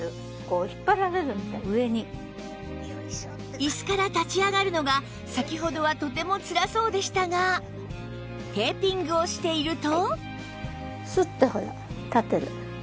椅子から立ち上がるのが先ほどはとてもつらそうでしたがテーピングをしていると